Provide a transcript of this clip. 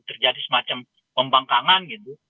terjadi semacam pembangkangan gitu